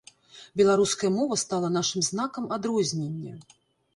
Беларуская мова стала нашым знакам адрознення.